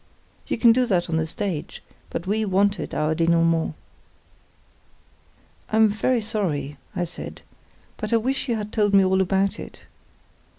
_ You can do that on the stage; but we wanted our dénouement. "I'm very sorry," I said, "but I wish you had told me all about it.